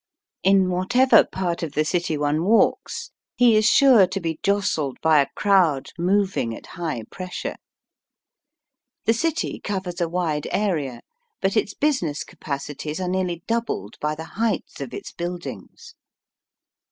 In whatever part of the city one walks, he is Digitized by VjOOQIC 40 EAST BY WEST. sure to be jostled by a crowd moving at high pressure. The city covers a wide area, but its business capacities are nearly doubled by the heights of its buildings.